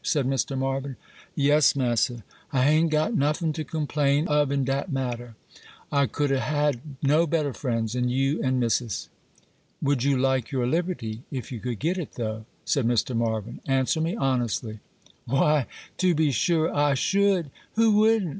said Mr. Marvyn. 'Yes, Mass'r,—I ha'n't got nuffin to complain of in dat matter. I couldn't hab no better friends 'n you an' Missis.' 'Would you like your liberty, if you could get it, though?' said Mr. Marvyn. 'Answer me honestly.' 'Why, to be sure I should! Who wouldn't?